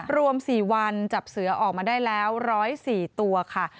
รวม๔วันจับเสือออกมาได้แล้ว๑๐๔ตัวค่ะ